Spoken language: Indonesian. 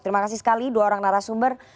terima kasih sekali dua orang narasumber